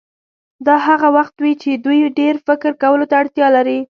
دا هغه وخت وي چې دوی ډېر فکر کولو ته اړتیا لري.